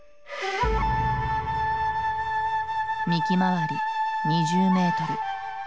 幹回り２０メートル。